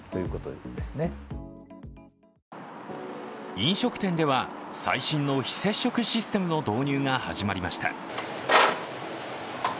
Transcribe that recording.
飲食店では、最新の非接触システムの導入が始まりました。